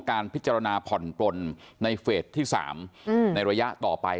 การพิจารณาผ่อนปลนในเฟสที่๓ในระยะต่อไป